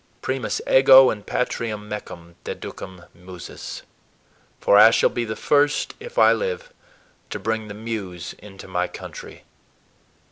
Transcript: "Primus ego in patriam mecum … deducam Musas"; "for I shall be the first, if I live, to bring the Muse into my country."